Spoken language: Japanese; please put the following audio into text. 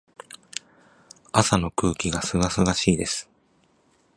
朝の空気が清々しいです。